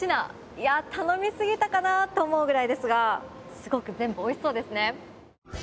いや頼みすぎたかなと思うぐらいですがすごく全部美味しそうですね。